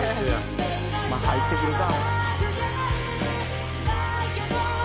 「まあ入ってくるか」